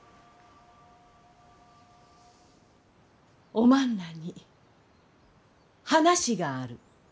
おまんらに話がある。